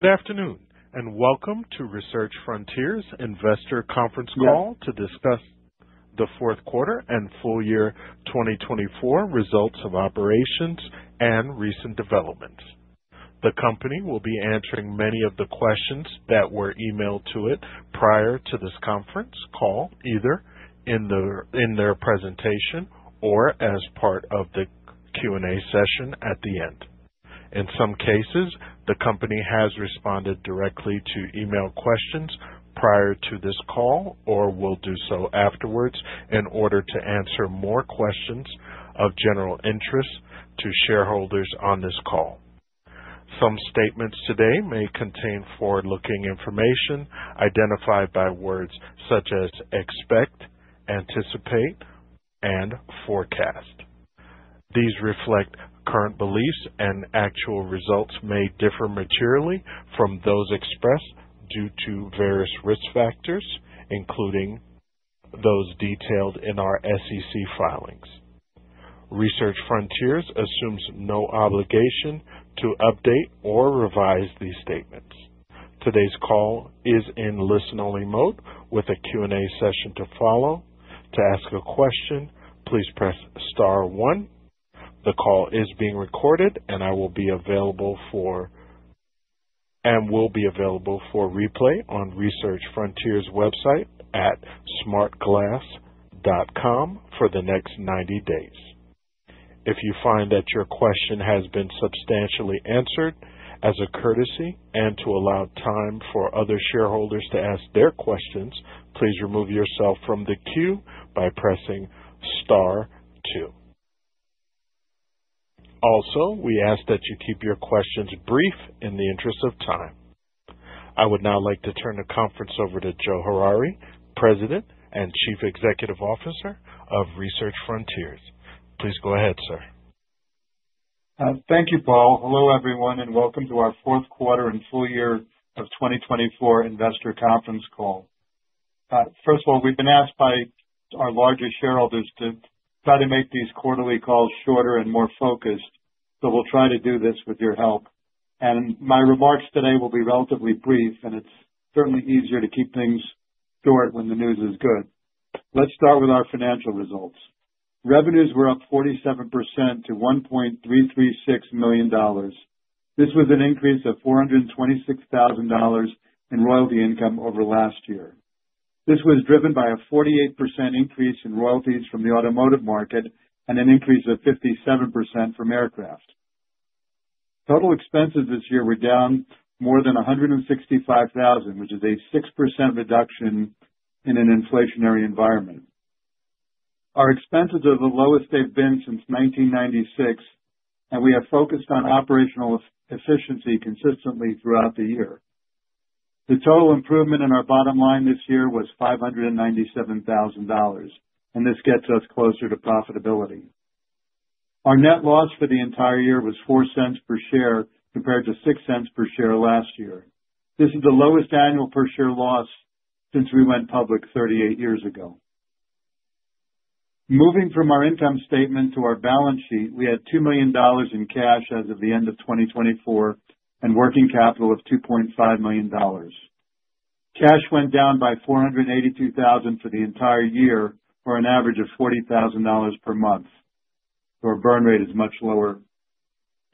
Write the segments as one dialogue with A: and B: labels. A: Good afternoon, and welcome to Research Frontiers' investor conference call to discuss the Q4 and Q4 2024 results of operations and recent developments. The company will be answering many of the questions that were emailed to it prior to this conference call, either in their presentation or as part of the Q&A session at the end. In some cases, the company has responded directly to email questions prior to this call or will do so afterwards in order to answer more questions of general interest to shareholders on this call. Some statements today may contain forward-looking information identified by words such as expect, anticipate, and forecast. These reflect current beliefs, and actual results may differ materially from those expressed due to various risk factors, including those detailed in our SEC filings. Research Frontiers assumes no obligation to update or revise these statements. Today's call is in listen-only mode with a Q&A session to follow. To ask a question, please press star one. The call is being recorded, and it will be available for replay on Research Frontiers' website at smartglass.com for the next 90 days. If you find that your question has been substantially answered, as a courtesy and to allow time for other shareholders to ask their questions, please remove yourself from the queue by pressing star two. Also, we ask that you keep your questions brief in the interest of time. I would now like to turn the conference over to Joe Harary, President and Chief Executive Officer of Research Frontiers. Please go ahead, sir.
B: Thank you, Paul. Hello, everyone, and welcome to our Q4 and Q4 of 2024 investor conference call. First of all, we've been asked by our largest shareholders to try to make these quarterly calls shorter and more focused, so we'll try to do this with your help. My remarks today will be relatively brief, and it's certainly easier to keep things short when the news is good. Let's start with our financial results. Revenues were up 47% to $1.336 million. This was an increase of $426,000 in royalty income over last year. This was driven by a 48% increase in royalties from the automotive market and an increase of 57% from aircraft. Total expenses this year were down more than $165,000, which is a 6% reduction in an inflationary environment. Our expenses are the lowest they've been since 1996, and we have focused on operational efficiency consistently throughout the year. The total improvement in our bottom line this year was $597,000, and this gets us closer to profitability. Our net loss for the entire year was $0.04 per share compared to $0.06 per share last year. This is the lowest annual per share loss since we went public 38 years ago. Moving from our income statement to our balance sheet, we had $2 million in cash as of the end of 2024 and working capital of $2.5 million. Cash went down by $482,000 for the entire year for an average of $40,000 per month. Our burn rate is much lower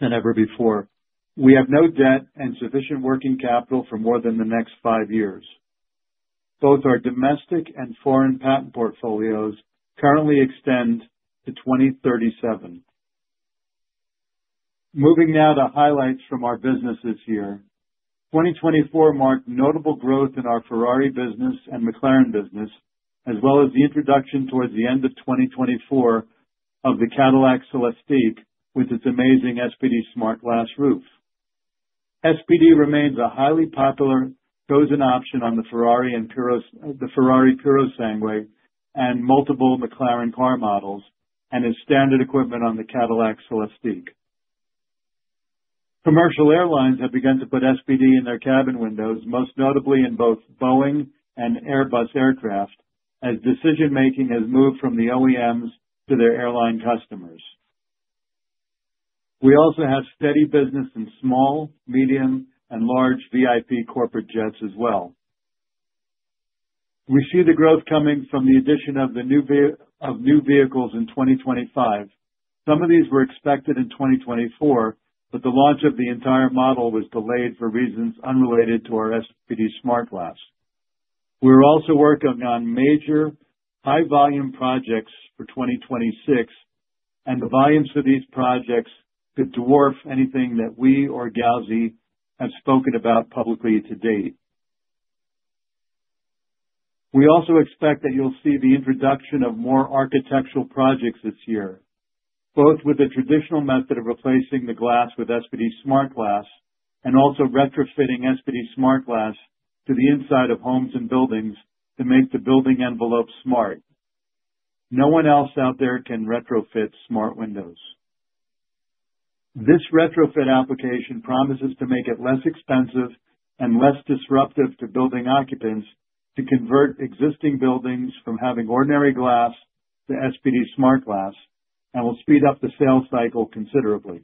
B: than ever before. We have no debt and sufficient working capital for more than the next five years. Both our domestic and foreign patent portfolios currently extend to 2037. Moving now to highlights from our business this year. 2024 marked notable growth in our Ferrari business and McLaren business, as well as the introduction towards the end of 2024 of the Cadillac Celestique with its amazing SPD-SmartGlass Roof. SPD remains a highly popular chosen option on the Ferrari Purosangue and multiple McLaren car models and is standard equipment on the Cadillac Celestique. Commercial airlines have begun to put SPD in their cabin windows, most notably in both Boeing and Airbus aircraft, as decision-making has moved from the OEMs to their airline customers. We also have steady business in small, medium, and large VIP corporate jets as well. We see the growth coming from the addition of new vehicles in 2025. Some of these were expected in 2024, but the launch of the entire model was delayed for reasons unrelated to our SPD-SmartGlass. We're also working on major high-volume projects for 2026, and the volumes for these projects could dwarf anything that we or Gauzy have spoken about publicly to date. We also expect that you'll see the introduction of more architectural projects this year, both with the traditional method of replacing the glass with SPD-SmartGlass and also retrofitting SPD-SmartGlass to the inside of homes and buildings to make the building envelope smart. No one else out there can retrofit smart windows. This retrofit application promises to make it less expensive and less disruptive to building occupants to convert existing buildings from having ordinary glass to SPD-SmartGlass and will speed up the sales cycle considerably.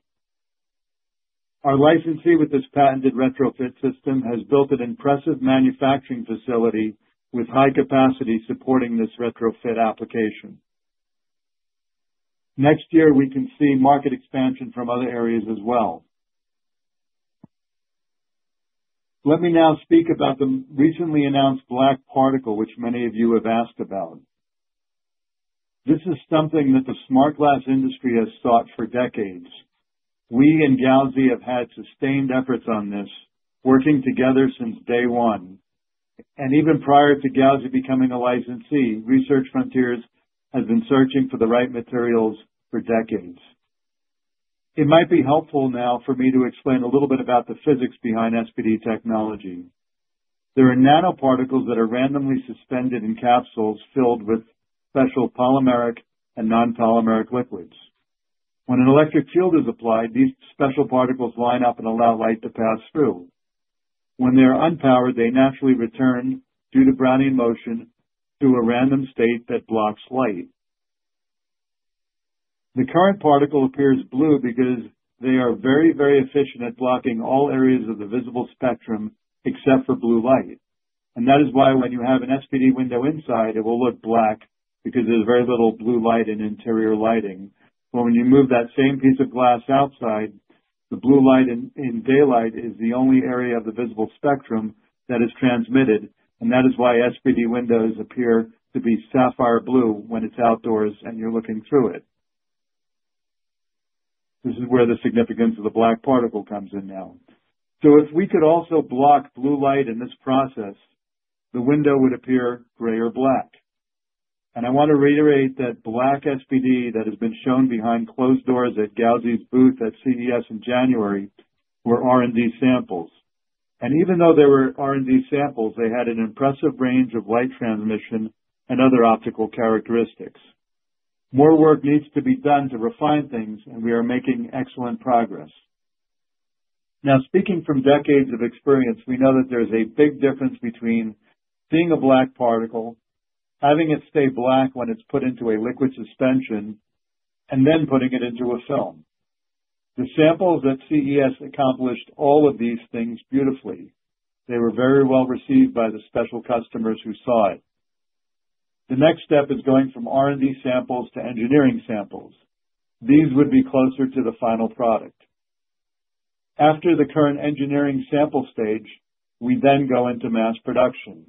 B: Our licensee with this patented retrofit system has built an impressive manufacturing facility with high capacity supporting this retrofit application. Next year, we can see market expansion from other areas as well. Let me now speak about the recently announced black particle, which many of you have asked about. This is something that the Smart Glass industry has sought for decades. We and Gauzy have had sustained efforts on this, working together since day one. Even prior to Gauzy becoming a licensee, Research Frontiers has been searching for the right materials for decades. It might be helpful now for me to explain a little bit about the physics behind SPD technology. There are nanoparticles that are randomly suspended in capsules filled with special polymeric and non-polymeric liquids. When an electric field is applied, these special particles line up and allow light to pass through. When they are unpowered, they naturally return, due to Brownian motion, to a random state that blocks light. The current particle appears blue because they are very, very efficient at blocking all areas of the visible spectrum except for blue light. That is why when you have an SPD window inside, it will look black because there is very little blue light in interior lighting. When you move that same piece of glass outside, the blue light in daylight is the only area of the visible spectrum that is transmitted, and that is why SPD windows appear to be sapphire blue when it is outdoors and you are looking through it. This is where the significance of the black particle comes in now. If we could also block blue light in this process, the window would appear gray or black. I want to reiterate that black SPD that has been shown behind closed doors at Gauzy's booth at CES in January were R&D samples. Even though they were R&D samples, they had an impressive range of light transmission and other optical characteristics. More work needs to be done to refine things, and we are making excellent progress. Now, speaking from decades of experience, we know that there is a big difference between seeing a black particle, having it stay black when it's put into a liquid suspension, and then putting it into a film. The samples at CES accomplished all of these things beautifully. They were very well received by the special customers who saw it. The next step is going from R&D samples to engineering samples. These would be closer to the final product. After the current engineering sample stage, we then go into mass production.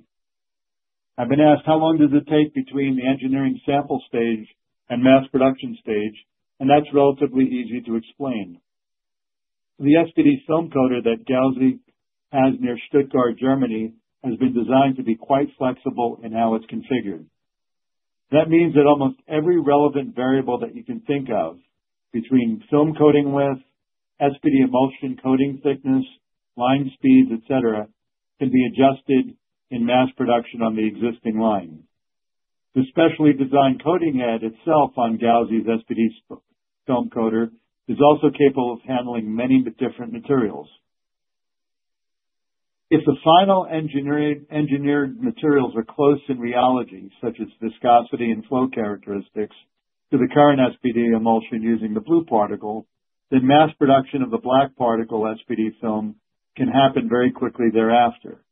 B: I've been asked how long does it take between the engineering sample stage and mass production stage, and that's relatively easy to explain. The SPD film coater that Gauzy has near Stuttgart, Germany, has been designed to be quite flexible in how it's configured. That means that almost every relevant variable that you can think of between film coating width, SPD emulsion coating thickness, line speeds, etc., can be adjusted in mass production on the existing line. The specially designed coating head itself on Gauzy's SPD film coater is also capable of handling many different materials. If the final engineered materials are close in reality, such as viscosity and flow characteristics, to the current SPD emulsion using the blue particle, then mass production of the black particle SPD film can happen very quickly thereafter.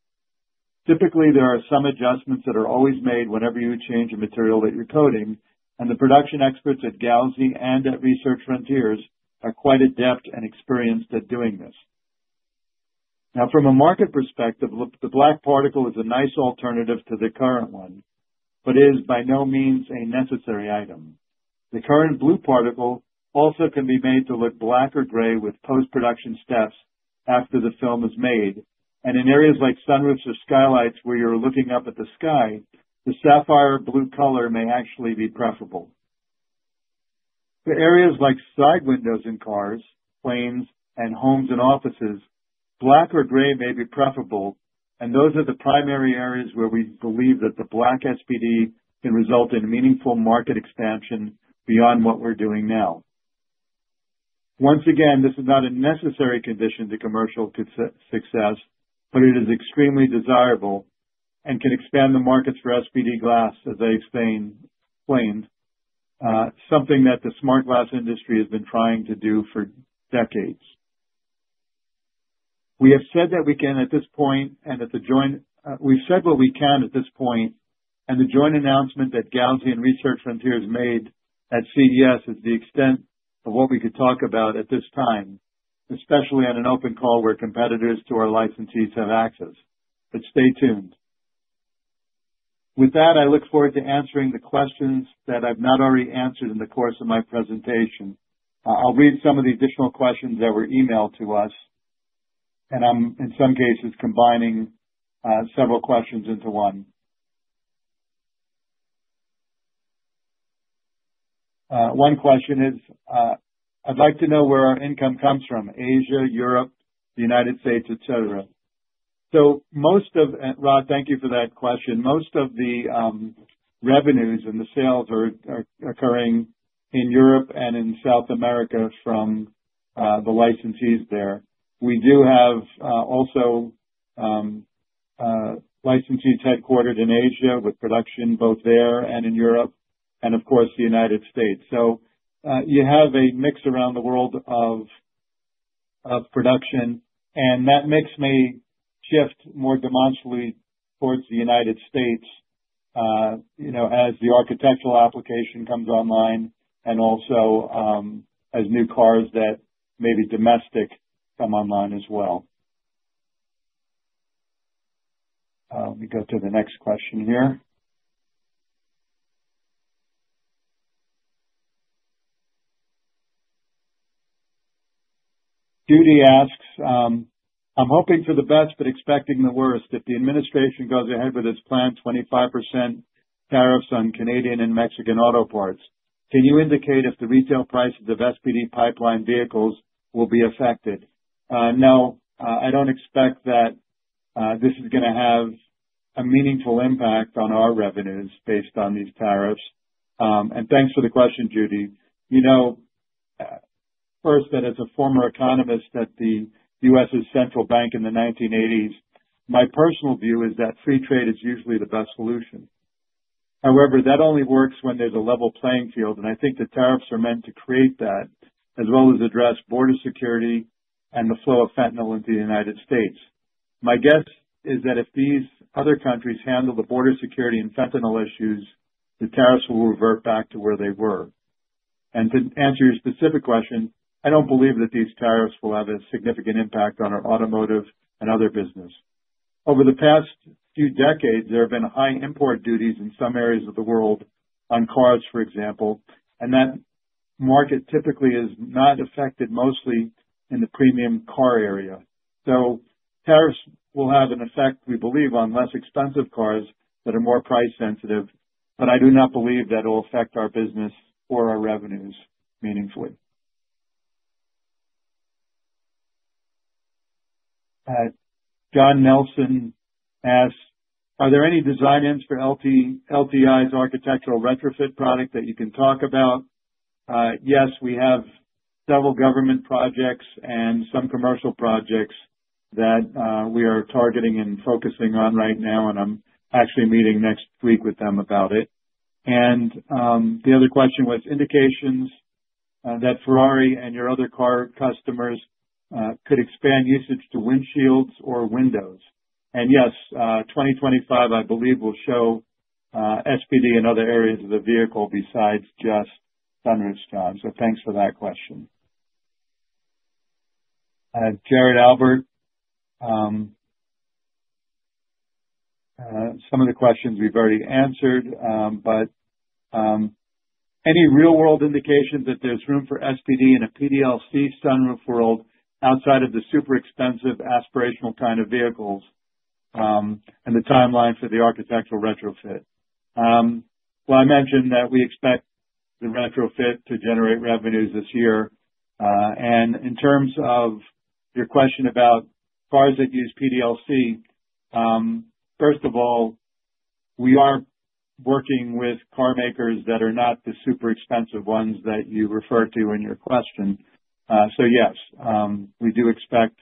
B: Typically, there are some adjustments that are always made whenever you change a material that you're coating, and the production experts at Gauzy and at Research Frontiers are quite adept and experienced at doing this. Now, from a market perspective, the black particle is a nice alternative to the current one, but is by no means a necessary item. The current blue particle also can be made to look black or gray with post-production steps after the film is made, and in areas like sunroofs or skylights where you're looking up at the sky, the sapphire blue color may actually be preferable. For areas like side windows in cars, planes, and homes and offices, black or gray may be preferable, and those are the primary areas where we believe that the black SPD can result in meaningful market expansion beyond what we're doing now. Once again, this is not a necessary condition to commercial success, but it is extremely desirable and can expand the markets for SPD glass, as I explained, something that the Smart Glass industry has been trying to do for decades. We have said that we can at this point, and that the joint—we've said what we can at this point, and the joint announcement that Gauzy and Research Frontiers made at CES is the extent of what we could talk about at this time, especially on an open call where competitors to our licensees have access. Stay tuned. With that, I look forward to answering the questions that I've not already answered in the course of my presentation. I'll read some of the additional questions that were emailed to us, and I'm, in some cases, combining several questions into one. One question is, "I'd like to know where our income comes from: Asia, Europe, the United States, etc." Rod, thank you for that question. Most of the revenues and the sales are occurring in Europe and in South America from the licensees there. We do have also licensees headquartered in Asia with production both there and in Europe and, of course, the United States. You have a mix around the world of production, and that makes me shift more demonstrably towards the United States as the architectural application comes online and also as new cars that may be domestic come online as well. Let me go to the next question here. Judy asks, "I'm hoping for the best but expecting the worst if the administration goes ahead with its planned 25% tariffs on Canadian and Mexican auto parts. Can you indicate if the retail prices of SPD pipeline vehicles will be affected?" No, I don't expect that this is going to have a meaningful impact on our revenues based on these tariffs. Thanks for the question, Judy. You know, first, that as a former economist at the U.S. Central Bank in the 1980s, my personal view is that free trade is usually the best solution. However, that only works when there's a level playing field, and I think the tariffs are meant to create that as well as address border security and the flow of fentanyl into the United States. My guess is that if these other countries handle the border security and fentanyl issues, the tariffs will revert back to where they were. To answer your specific question, I don't believe that these tariffs will have a significant impact on our automotive and other business. Over the past few decades, there have been high import duties in some areas of the world on cars, for example, and that market typically is not affected mostly in the premium car area. Tariffs will have an effect, we believe, on less expensive cars that are more price-sensitive, but I do not believe that it will affect our business or our revenues meaningfully. John Nelson asks, "Are there any design ins for LTI's architectural retrofit product that you can talk about?" Yes, we have several government projects and some commercial projects that we are targeting and focusing on right now, and I'm actually meeting next week with them about it. The other question was indications that Ferrari and your other car customers could expand usage to windshields or windows. Yes, 2025, I believe, will show SPD in other areas of the vehicle besides just sunroofs, John. Thanks for that question. Jared Albert, some of the questions we've already answered, but any real-world indication that there's room for SPD in a PDLC sunroof world outside of the super expensive aspirational kind of vehicles and the timeline for the architectural retrofit? I mentioned that we expect the retrofit to generate revenues this year. In terms of your question about cars that use PDLC, first of all, we are working with car makers that are not the super expensive ones that you refer to in your question. Yes, we do expect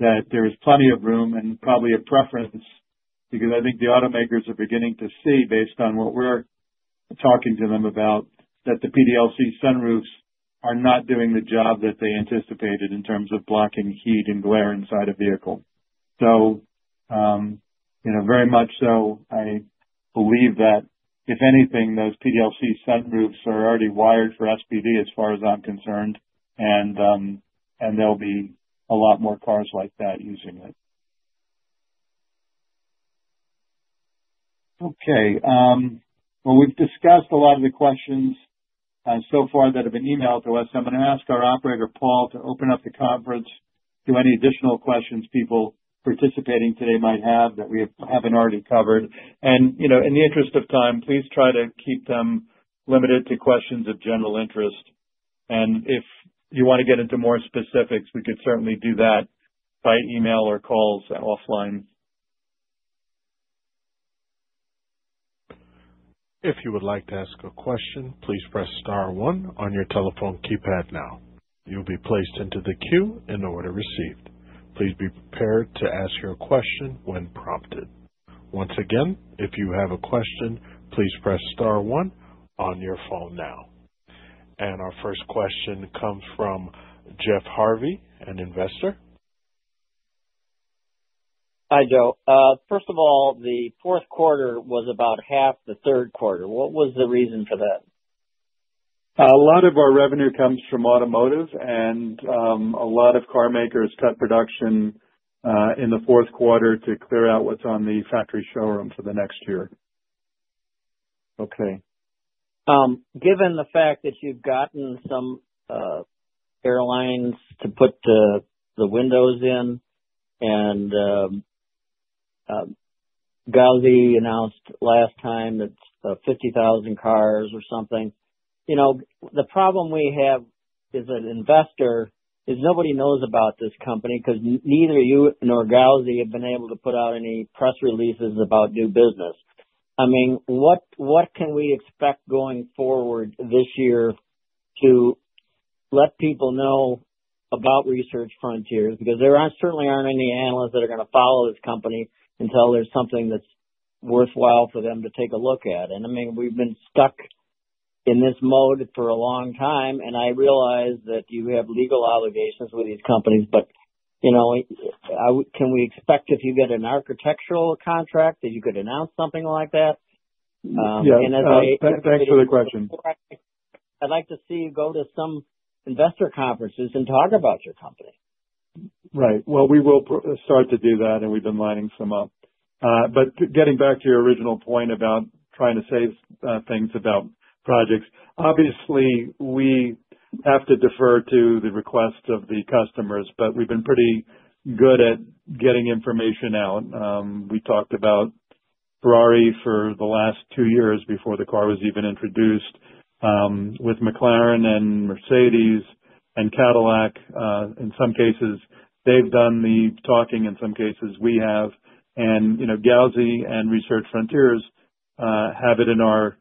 B: that there is plenty of room and probably a preference because I think the automakers are beginning to see, based on what we're talking to them about, that the PDLC sunroofs are not doing the job that they anticipated in terms of blocking heat and glare inside a vehicle. Very much so, I believe that, if anything, those PDLC sunroofs are already wired for SPD, as far as I'm concerned, and there'll be a lot more cars like that using it. Okay. We have discussed a lot of the questions so far that have been emailed to us. I'm going to ask our operator, Paul, to open up the conference to any additional questions people participating today might have that we haven't already covered. In the interest of time, please try to keep them limited to questions of general interest. If you want to get into more specifics, we could certainly do that by email or calls offline.
A: If you would like to ask a question, please press star one on your telephone keypad now. You'll be placed into the queue in order received. Please be prepared to ask your question when prompted. Once again, if you have a question, please press star one on your phone now. Our first question comes from Jeff Harvey, an investor.
C: Hi, Joe. First of all, the fourth quarter was about half the third quarter. What was the reason for that?
B: A lot of our revenue comes from automotive, and a lot of car makers cut production in the fourth quarter to clear out what's on the factory showroom for the next year.
C: Okay. Given the fact that you've gotten some airlines to put the windows in and Gauzy announced last time it's 50,000 cars or something, the problem we have as an investor is nobody knows about this company because neither you nor Gauzy have been able to put out any press releases about new business. I mean, what can we expect going forward this year to let people know about Research Frontiers? Because there certainly are not any analysts that are going to follow this company until there is something that is worthwhile for them to take a look at. I mean, we have been stuck in this mode for a long time, and I realize that you have legal obligations with these companies, but can we expect if you get an architectural contract that you could announce something like that? As I— Yeah, thanks for the question. I would like to see you go to some investor conferences and talk about your company.
B: Right. We will start to do that, and we have been lining some up. Getting back to your original point about trying to say things about projects, obviously, we have to defer to the requests of the customers, but we have been pretty good at getting information out. We talked about Ferrari for the last two years before the car was even introduced with McLaren and Mercedes and Cadillac. In some cases, they've done the talking; in some cases, we have. GALSI and Research Frontiers have it in our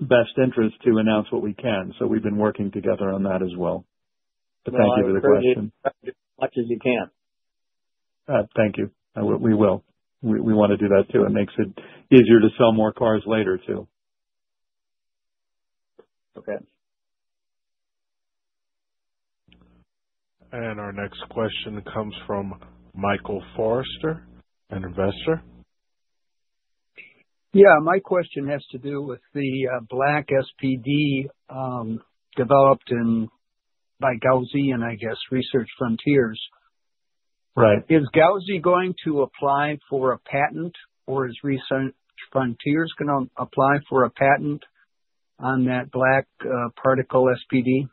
B: best interest to announce what we can. We have been working together on that as well. Thank you for the question.
C: I'll do as much as you can.
B: Thank you. We will. We want to do that too. It makes it easier to sell more cars later too.
A: Our next question comes from Michael Forrester, an investor.
D: Yeah. My question has to do with the black SPD developed by GALSI and, I guess, Research Frontiers. Is GALSI going to apply for a patent, or is Research Frontiers going to apply for a patent on that black particle SPD?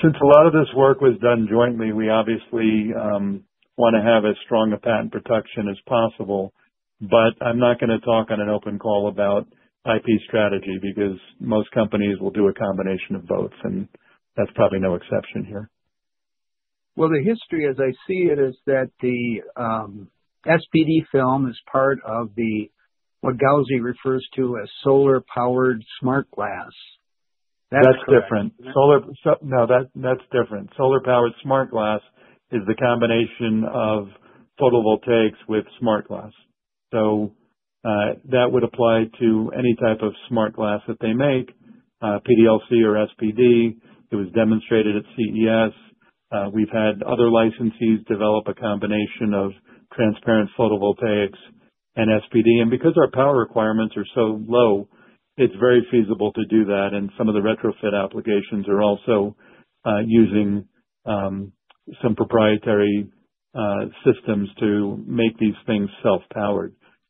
B: Since a lot of this work was done jointly, we obviously want to have as strong a patent protection as possible, but I'm not going to talk on an open call about IP strategy because most companies will do a combination of both, and that's probably no exception here.
D: The history, as I see it, is that the SPD film is part of what Gauzy refers to as solar-powered smart glass.
B: That's different. No, that's different. Solar-powered smart glass is the combination of photovoltaics with smart glass. That would apply to any type of smart glass that they make, PDLC or SPD. It was demonstrated at CES. We've had other licensees develop a combination of transparent photovoltaics and SPD. Because our power requirements are so low, it's very feasible to do that. Some of the retrofit applications are also using some proprietary systems to make these things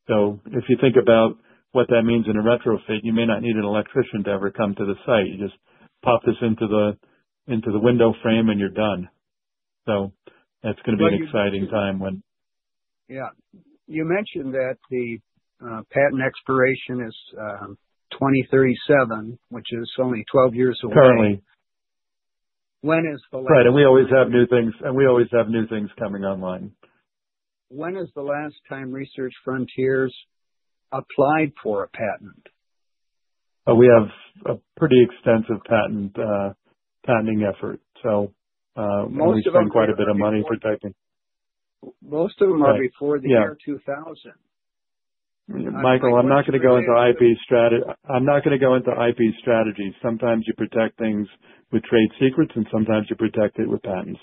B: self-powered. If you think about what that means in a retrofit, you may not need an electrician to ever come to the site. You just pop this into the window frame, and you're done. That's going to be an exciting time when.
D: Yeah. You mentioned that the patent expiration is 2037, which is only 12 years away.
B: Currently.
D: When is the last?
B: Right. We always have new things, and we always have new things coming online.
D: When is the last time Research Frontiers applied for a patent?
B: We have a pretty extensive patenting effort. We spend quite a bit of money protecting.
D: Most of them are before the year 2000.
B: Michael, I'm not going to go into IP strategy. I'm not going to go into IP strategy. Sometimes you protect things with trade secrets, and sometimes you protect it with patents.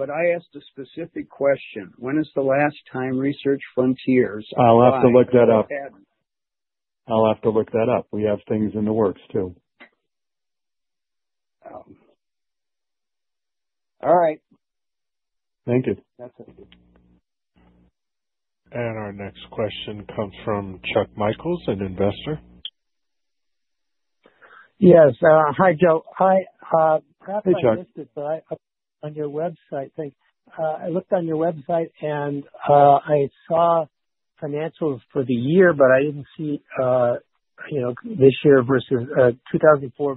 D: I asked a specific question. When is the last time Research Frontiers applied for a patent?
B: I'll have to look that up. I'll have to look that up. We have things in the works too.
D: All right.
B: Thank you.
A: Our next question comes from Chuck Michaels, an investor.
E: Yes. Hi, Joe. Hi. I'm not on the list, but on your website, I looked on your website, and I saw financials for the year, but I didn't see this year versus 2024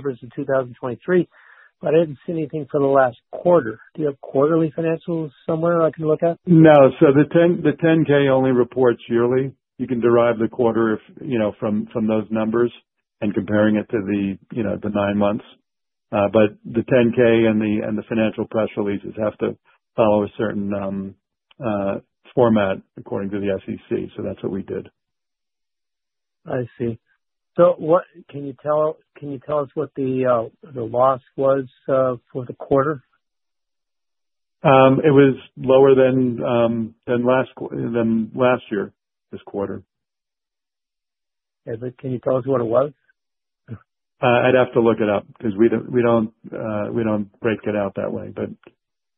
E: versus 2023, but I didn't see anything for the last quarter. Do you have quarterly financials somewhere I can look at?
B: No. The 10K only reports yearly. You can derive the quarter from those numbers and comparing it to the nine months. The 10K and the financial press releases have to follow a certain format according to the SEC. That is what we did. I see. Can you tell us what the loss was for the quarter? It was lower than last year, this quarter.
E: Can you tell us what it was? I would have to look it up because we do not break it out that way.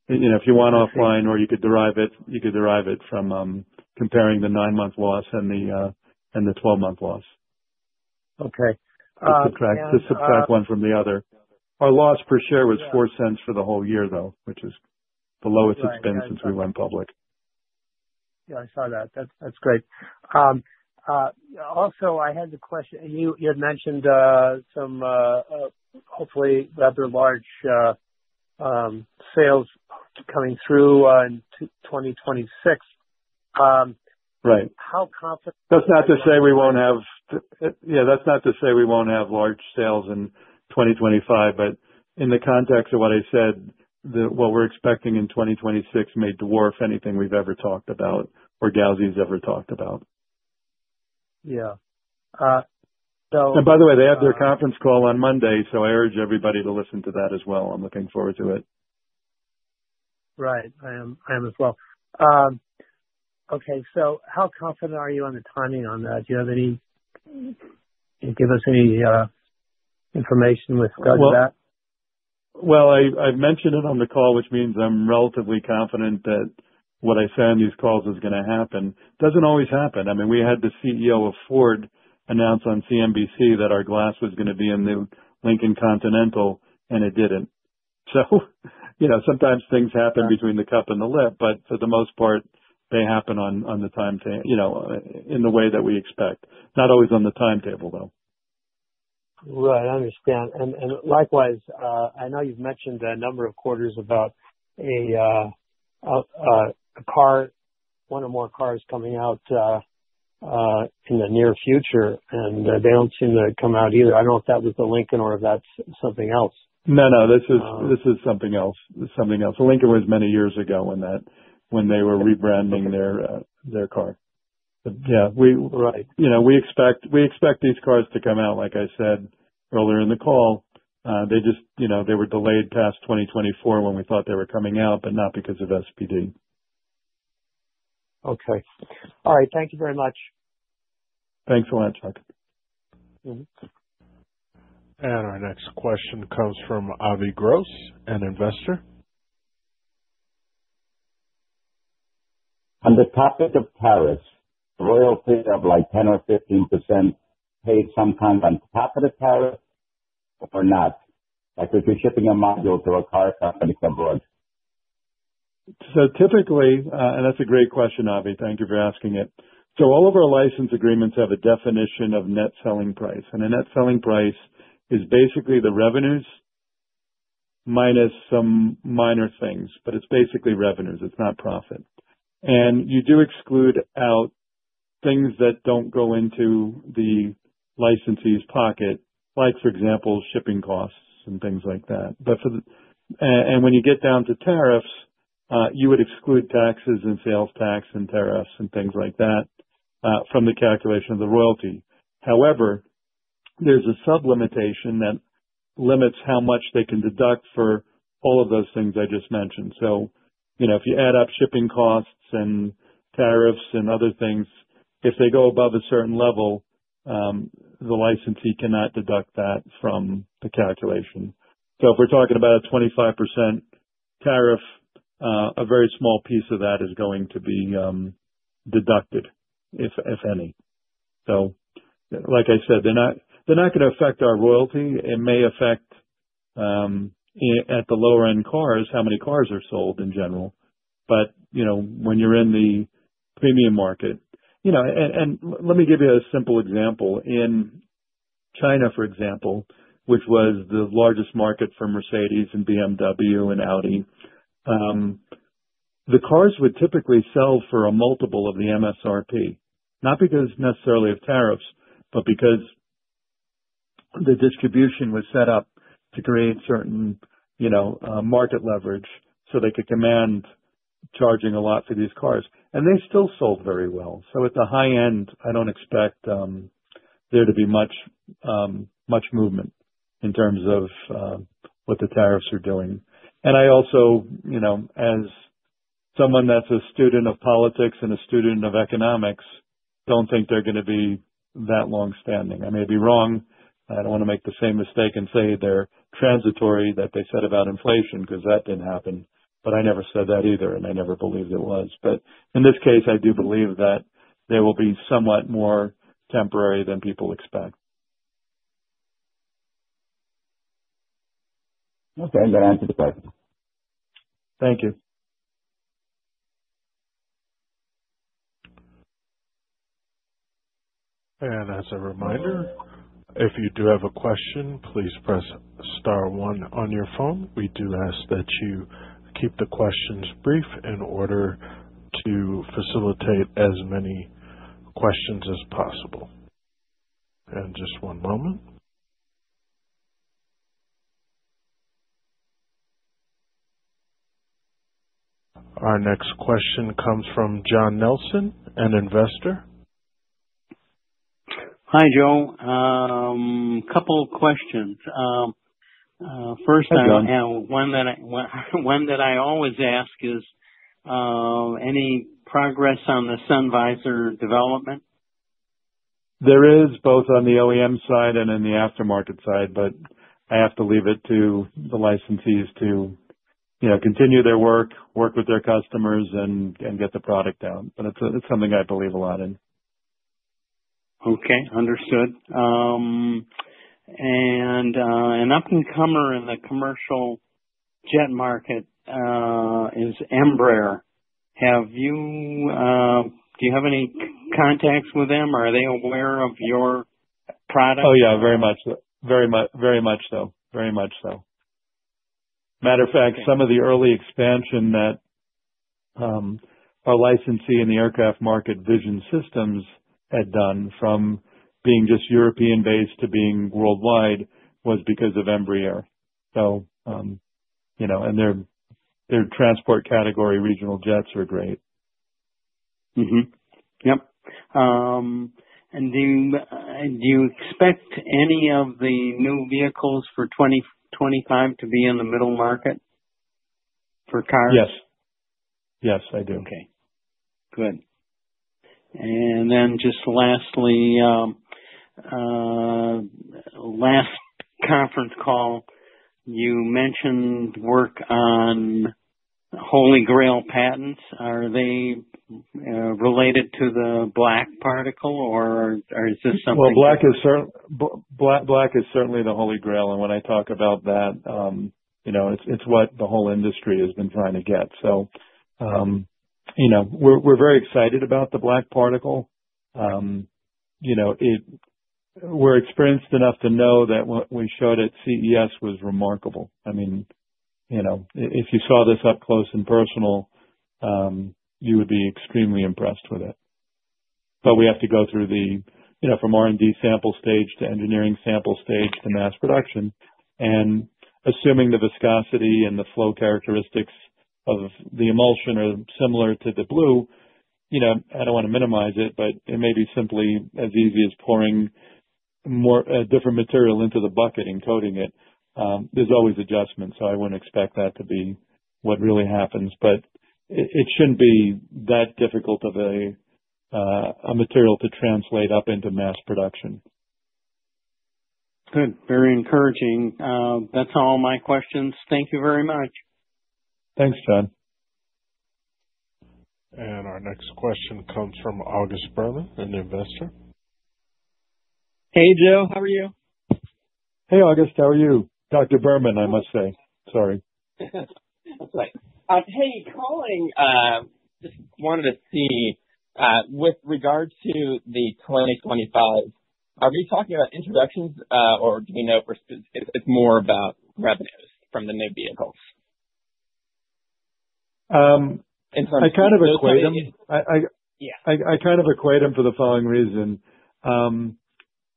E: If you want offline or you could derive it, you could derive it from comparing the nine-month loss and the 12-month loss. Okay. To subtract one from the other. Our loss per share was $0.04 for the whole year, though, which is the lowest it has been since we went public. Yeah, I saw that. That is great. Also, I had the question, and you had mentioned some hopefully rather large sales coming through in 2026. How confident?
B: That's not to say we won't have—yeah, that's not to say we won't have large sales in 2025, but in the context of what I said, what we're expecting in 2026 may dwarf anything we've ever talked about or Gauzy has ever talked about.
E: Yeah.
B: By the way, they have their conference call on Monday, so I urge everybody to listen to that as well. I'm looking forward to it.
E: Right. I am as well. Okay. How confident are you on the timing on that? Do you have any—can you give us any information with regards to that?
B: I've mentioned it on the call, which means I'm relatively confident that what I say on these calls is going to happen. It doesn't always happen. I mean, we had the CEO of Ford announce on CNBC that our glass was going to be in the Lincoln Continental, and it did not. Sometimes things happen between the cup and the lip, but for the most part, they happen on the timetable in the way that we expect. Not always on the timetable, though.
E: Right. I understand. Likewise, I know you have mentioned a number of quarters about one or more cars coming out in the near future, and they do not seem to come out either. I do not know if that was the Lincoln or if that is something else.
B: No, no. This is something else. It is something else. The Lincoln was many years ago when they were rebranding their car. Yeah, we expect these cars to come out, like I said earlier in the call. They were delayed past 2024 when we thought they were coming out, but not because of SPD.
E: Okay. All right. Thank you very much.
B: Thanks a lot, Chuck. Our next question comes from Avi Gross, an investor.
F: On the topic of tariffs, royalty of like 10% or 15% paid some kind on top of the tariff or not? If you're shipping a module to a car company somewhere?
B: Typically, and that's a great question, Avi. Thank you for asking it. All of our license agreements have a definition of net selling price. A net selling price is basically the revenues minus some minor things, but it's basically revenues. It's not profit. You do exclude out things that don't go into the licensee's pocket, like for example, shipping costs and things like that. When you get down to tariffs, you would exclude taxes and sales tax and tariffs and things like that from the calculation of the royalty. However, there's a sublimitation that limits how much they can deduct for all of those things I just mentioned. If you add up shipping costs and tariffs and other things, if they go above a certain level, the licensee cannot deduct that from the calculation. If we're talking about a 25% tariff, a very small piece of that is going to be deducted, if any. Like I said, they're not going to affect our royalty. It may affect at the lower-end cars how many cars are sold in general. When you're in the premium market, let me give you a simple example. In China, for example, which was the largest market for Mercedes and BMW and Audi, the cars would typically sell for a multiple of the MSRP, not necessarily because of tariffs, but because the distribution was set up to create certain market leverage so they could command charging a lot for these cars. They still sold very well. At the high end, I do not expect there to be much movement in terms of what the tariffs are doing. I also, as someone that is a student of politics and a student of economics, do not think they are going to be that long-standing. I may be wrong. I do not want to make the same mistake and say they are transitory that they said about inflation because that did not happen. I never said that either, and I never believed it was. But in this case, I do believe that they will be somewhat more temporary than people expect.
F: Okay. That answers the question. Thank you.
A: As a reminder, if you do have a question, please press star one on your phone. We do ask that you keep the questions brief in order to facilitate as many questions as possible. Just one moment. Our next question comes from John Nelson, an investor.
G: Hi, Joe. A couple of questions. First, I have one that I always ask is, any progress on the Sunvisor development?
B: There is both on the OEM side and in the aftermarket side, but I have to leave it to the licensees to continue their work, work with their customers, and get the product down. It is something I believe a lot in.
G: Okay. Understood. An up-and-comer in the commercial jet market is Embraer. Do you have any contacts with them, or are they aware of your product?
B: Oh, yeah. Very much so. Very much so. Matter of fact, some of the early expansion that our licensee in the aircraft market, Vision Systems, had done from being just European-based to being worldwide was because of Embraer. And their transport category regional jets are great.
G: Yep. Do you expect any of the new vehicles for 2025 to be in the middle market for cars?
B: Yes. Yes, I do. Okay.
G: Good. Last conference call, you mentioned work on Holy Grail patents. Are they related to the black particle, or is this something?
B: Black is certainly the Holy Grail. When I talk about that, it's what the whole industry has been trying to get. We are very excited about the black particle. We're experienced enough to know that what we showed at CES was remarkable. I mean, if you saw this up close and personal, you would be extremely impressed with it. We have to go through the from R&D sample stage to engineering sample stage to mass production. Assuming the viscosity and the flow characteristics of the emulsion are similar to the blue, I don't want to minimize it, but it may be simply as easy as pouring different material into the bucket and coating it. There's always adjustments, so I wouldn't expect that to be what really happens. It shouldn't be that difficult of a material to translate up into mass production.
G: Good. Very encouraging. That's all my questions.
B: Thank you very much. Thanks, John.
A: Our next question comes from August Bermann, an investor. Hey, Joe. How are you? Hey, August. How are you? Dr.
B: Bermann, I must say. Sorry. That's right. Hey, calling. Just wanted to see with regards to the 2025, are we talking about introductions, or do we know it's more about revenues from the new vehicles? I kind of equate them. I kind of equate them for the following reason.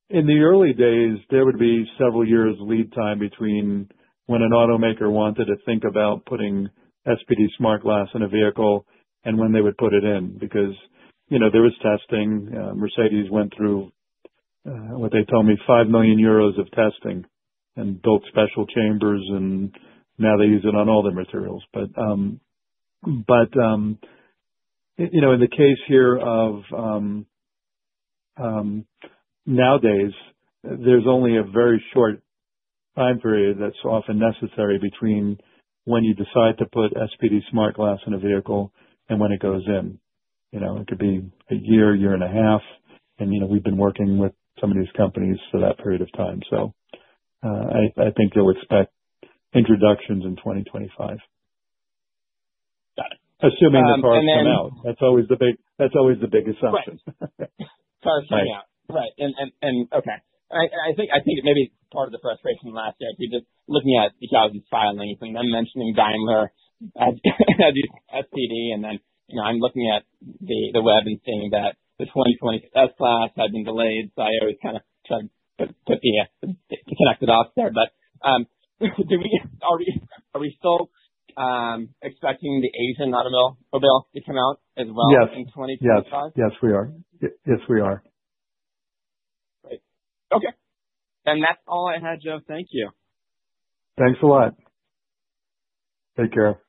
B: In the early days, there would be several years' lead time between when an automaker wanted to think about putting SPD-SmartGlass in a vehicle and when they would put it in because there was testing. Mercedes went through, what they told me, $5 million of testing and built special chambers, and now they use it on all their materials. In the case here of nowadays, there's only a very short time period that's often necessary between when you decide to put SPD-SmartGlass in a vehicle and when it goes in. It could be a year, year and a half, and we've been working with some of these companies for that period of time. I think you'll expect introductions in 2025. Assuming the cars come out. That's always the big assumption. Cars come out. Right. Okay. I think maybe part of the frustration last year is we're just looking at the jobs and filings. When I'm mentioning Daimler as SPD, and then I'm looking at the web and seeing that the 2020 S-Class had been delayed, I always kind of try to connect it up there. Are we still expecting the Asian automobile to come out as well in 2025? Yes. Yes, we are. Yes, we are. Great. Okay. That's all I had, Joe. Thank you. Thanks a lot. Take care.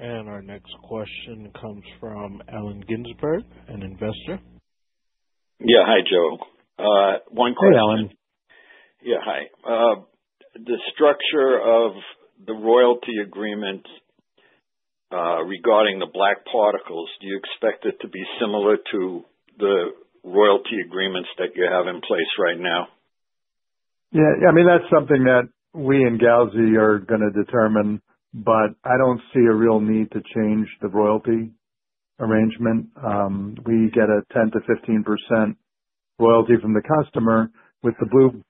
B: Our next question comes from Alan Ginsberg, an investor. Yeah. Hi, Joe. One question. Hey, Alan. Yeah. Hi. The structure of the royalty agreement regarding the black particles, do you expect it to be similar to the royalty agreements that you have in place right now? Yeah. I mean, that's something that we and Gauzy are going to determine, but I don't see a real need to change the royalty arrangement. We get a 10-15% royalty from the customer with the blue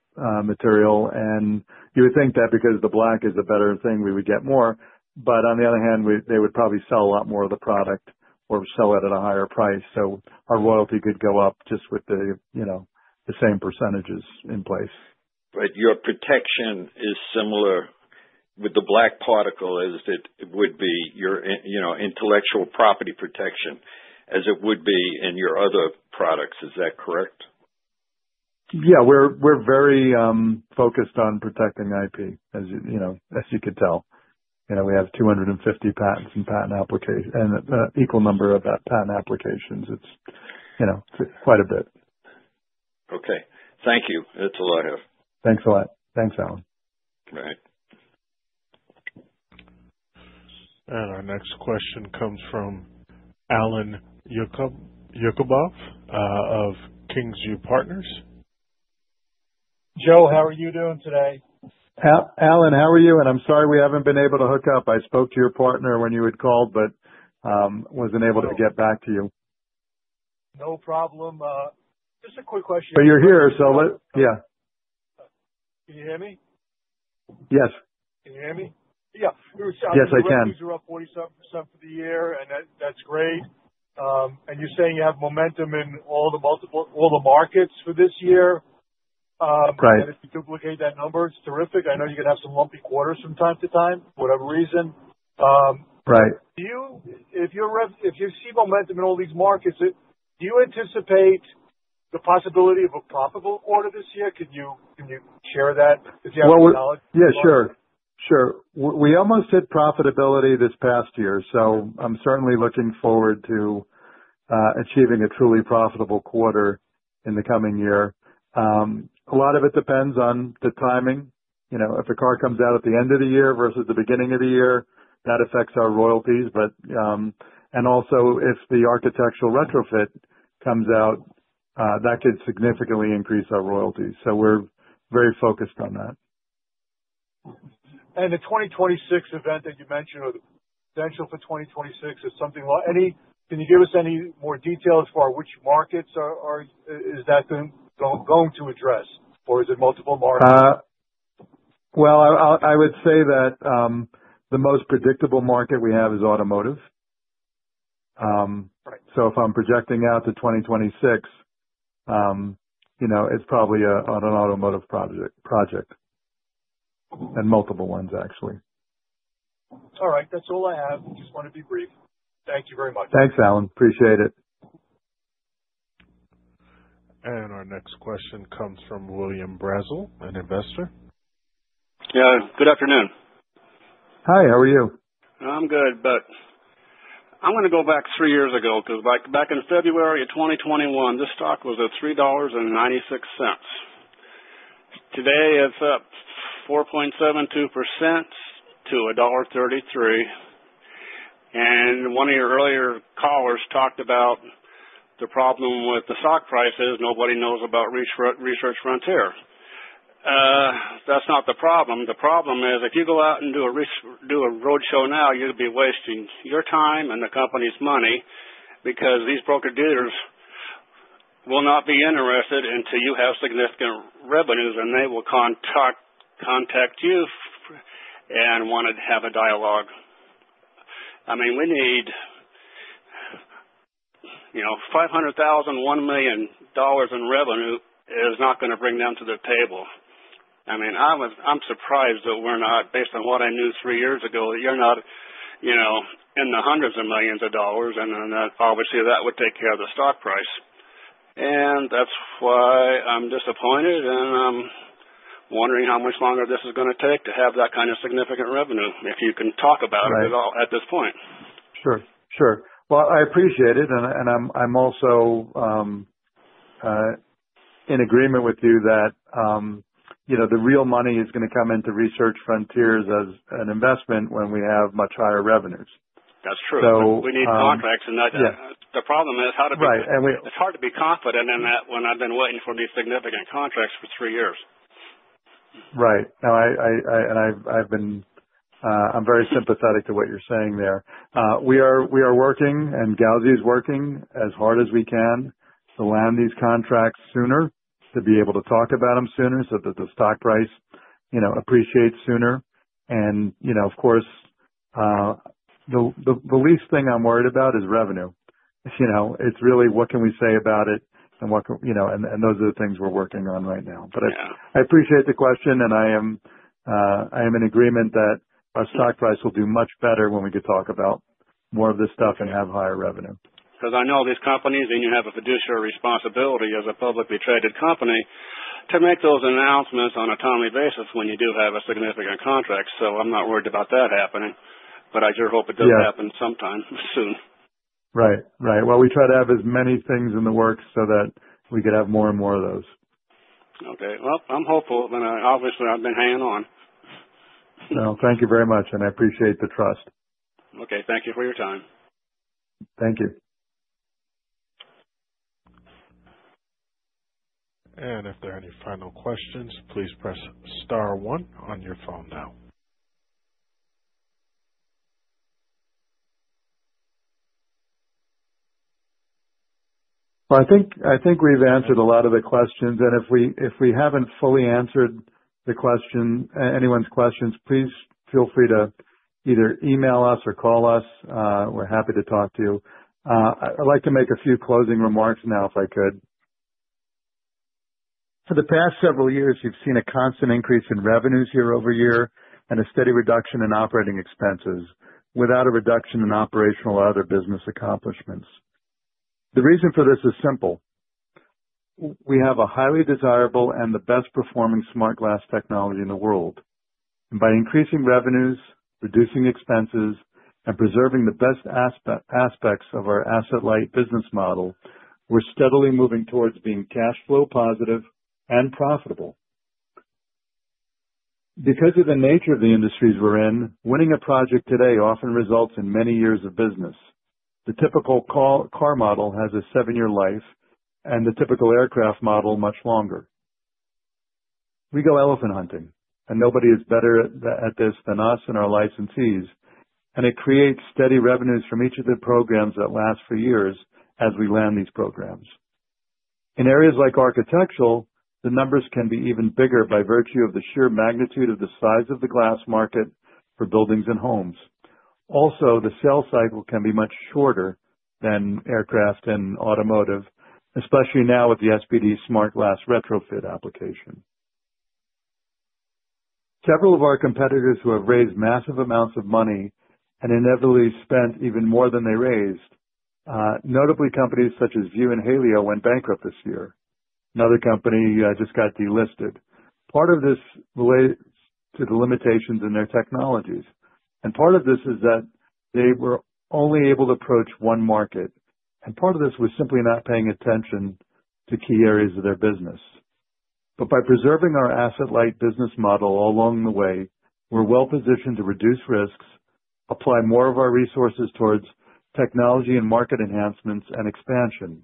B: material. You would think that because the black is a better thing, we would get more. On the other hand, they would probably sell a lot more of the product or sell it at a higher price. Our royalty could go up just with the same percentages in place. Your protection is similar with the black particle as it would be your intellectual property protection as it would be in your other products. Is that correct? Yeah. We're very focused on protecting IP, as you could tell. We have 250 patents and equal number of patent applications. It's quite a bit. Okay. Thank you. It's a lot of. Thanks a lot. Thanks, Alan. All right. Our next question comes from Alan Yakubov of Kingsview Partners. Joe, how are you doing today? Alan, how are you? I'm sorry we haven't been able to hook up. I spoke to your partner when you had called, but wasn't able to get back to you. No problem. Just a quick question. You're here, so yeah. Can you hear me? Yes. Can you hear me? Yeah. Yes, I can. Your royalties are up 47% for the year, and that's great. You're saying you have momentum in all the markets for this year. If you duplicate that number, it's terrific. I know you're going to have some lumpy quarters from time to time, whatever reason. If you see momentum in all these markets, do you anticipate the possibility of a profitable quarter this year? Can you share that if you have any knowledge? Yeah, sure. Sure. We almost hit profitability this past year, so I'm certainly looking forward to achieving a truly profitable quarter in the coming year. A lot of it depends on the timing. If a car comes out at the end of the year versus the beginning of the year, that affects our royalties. Also, if the architectural retrofit comes out, that could significantly increase our royalties. We are very focused on that. The 2026 event that you mentioned or the potential for 2026 is something—can you give us any more detail as far as which markets is that going to address, or is it multiple markets? I would say that the most predictable market we have is automotive. If I'm projecting out to 2026, it's probably on an automotive project and multiple ones, actually. All right. That's all I have. Just want to be brief. Thank you very much. Thanks, Alan. Appreciate it. Our next question comes from William Brazzel, an investor. Yeah. Good afternoon. Hi. How are you? I'm good, but I'm going to go back three years ago because back in February of 2021, this stock was at $3.96. Today, it's up 4.72% to $1.33. One of your earlier callers talked about the problem with the stock prices. Nobody knows about Research Frontiers. That's not the problem. The problem is if you go out and do a roadshow now, you'll be wasting your time and the company's money because these broker dealers will not be interested until you have significant revenues, and they will contact you and want to have a dialogue. I mean, we need $500,000, $1 million in revenue is not going to bring them to the table. I mean, I'm surprised that we're not, based on what I knew three years ago, you're not in the hundreds of millions of dollars, and obviously that would take care of the stock price. That's why I'm disappointed, and I'm wondering how much longer this is going to take to have that kind of significant revenue if you can talk about it at all at this point. Sure. Sure. I appreciate it, and I'm also in agreement with you that the real money is going to come into Research Frontiers as an investment when we have much higher revenues. That's true. We need contracts, and the problem is how to be right. It's hard to be confident in that when I've been waiting for these significant contracts for three years. I am very sympathetic to what you're saying there. We are working, and Gauzy is working as hard as we can to land these contracts sooner, to be able to talk about them sooner so that the stock price appreciates sooner. Of course, the least thing I'm worried about is revenue. It's really what can we say about it, and those are the things we're working on right now. I appreciate the question, and I am in agreement that our stock price will do much better when we could talk about more of this stuff and have higher revenue. I know these companies, and you have a fiduciary responsibility as a publicly traded company to make those announcements on a timely basis when you do have a significant contract. I'm not worried about that happening, but I sure hope it does happen sometime soon. Right. Right. We try to have as many things in the works so that we could have more and more of those. Okay. I'm hopeful, and obviously, I've been hanging on. Thank you very much, and I appreciate the trust. Thank you for your time. Thank you. If there are any final questions, please press star one on your phone now. I think we've answered a lot of the questions, and if we haven't fully answered anyone's questions, please feel free to either email us or call us. We're happy to talk to you. I'd like to make a few closing remarks now if I could. For the past several years, you've seen a constant increase in revenues year over year and a steady reduction in operating expenses without a reduction in operational or other business accomplishments. The reason for this is simple. We have a highly desirable and the best-performing smart glass technology in the world. By increasing revenues, reducing expenses, and preserving the best aspects of our asset-light business model, we're steadily moving towards being cash flow positive and profitable. Because of the nature of the industries we're in, winning a project today often results in many years of business. The typical car model has a seven-year life, and the typical aircraft model much longer. We go elephant hunting, and nobody is better at this than us and our licensees, and it creates steady revenues from each of the programs that last for years as we land these programs. In areas like architectural, the numbers can be even bigger by virtue of the sheer magnitude of the size of the glass market for buildings and homes. Also, the sales cycle can be much shorter than aircraft and automotive, especially now with the SPD Smart Glass retrofit application. Several of our competitors who have raised massive amounts of money and inevitably spent even more than they raised, notably companies such as View and Halio, went bankrupt this year. Another company just got delisted. Part of this relates to the limitations in their technologies, part of this is that they were only able to approach one market, and part of this was simply not paying attention to key areas of their business. By preserving our asset-light business model along the way, we're well-positioned to reduce risks, apply more of our resources towards technology and market enhancements and expansion.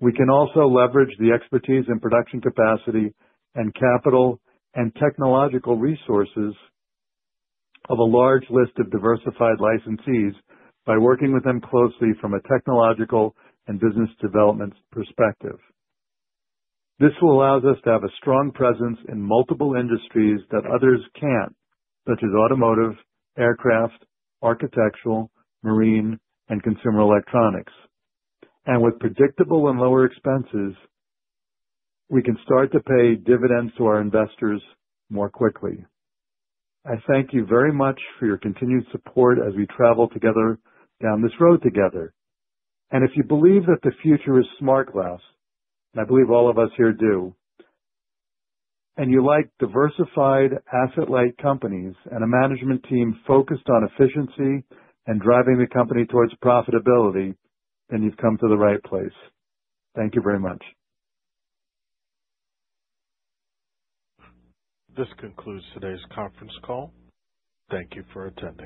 B: We can also leverage the expertise and production capacity and capital and technological resources of a large list of diversified licensees by working with them closely from a technological and business development perspective. This allows us to have a strong presence in multiple industries that others can't, such as automotive, aircraft, architectural, marine, and consumer electronics. With predictable and lower expenses, we can start to pay dividends to our investors more quickly. I thank you very much for your continued support as we travel together down this road together. If you believe that the future is smart glass, and I believe all of us here do, and you like diversified asset-light companies and a management team focused on efficiency and driving the company towards profitability, then you've come to the right place. Thank you very much. This concludes today's conference call. Thank you for attending.